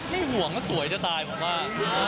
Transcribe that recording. ไม่ห่วงสวยจะตายผมว่า